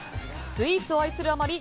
スイーツを愛するあまり